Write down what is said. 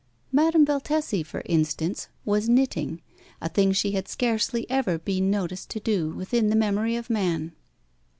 Madame Valtesi, for instance, was knitting, a thing she had scarcely ever been noticed to do within the memory of man.